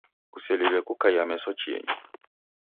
Kuseliwe kukaiya meso chienyi